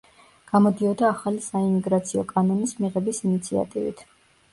გამოდიოდა ახალი საიმიგრაციო კანონის მიღების ინიციატივით.